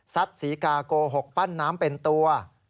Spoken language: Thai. ศรีกาโกหกปั้นน้ำเป็นตัว